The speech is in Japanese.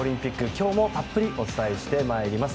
今日もたっぷりお伝えしてまいります。